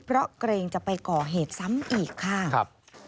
เพราะเกรงจะไปก่อเหตุซ้ำอีกค่ะ